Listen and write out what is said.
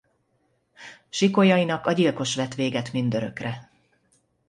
Sikolyainak a gyilkos vet véget mindörökre.